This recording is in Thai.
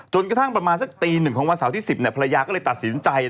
กระทั่งประมาณสักตีหนึ่งของวันเสาร์ที่๑๐ภรรยาก็เลยตัดสินใจ